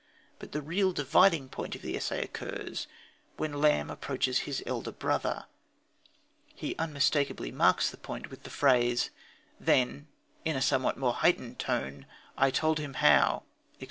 But the real dividing point of the essay occurs when Lamb approaches his elder brother. He unmistakably marks the point with the phrase: "Then, in somewhat a more heightened tone, I told how," etc.